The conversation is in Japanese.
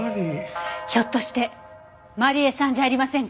ひょっとしてまり枝さんじゃありませんか？